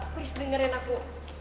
please dengerin aku